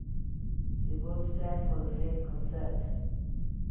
They both stand for the same concept.